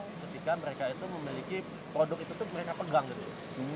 ketika mereka itu memiliki produk itu tuh mereka pegang gitu